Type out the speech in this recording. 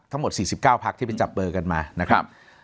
ทั้งหมด๔๙พักที่ไปจับเบอร์กันมานะครับ